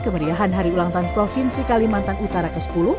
kemeriahan hari ulang tahun provinsi kalimantan utara ke sepuluh